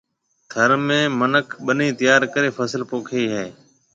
ٿر ۾ مِنک ٻنيَ تيار ڪرَي فصل پوکيَ ھيََََ